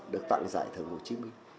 được tặng giải thưởng hồ chí minh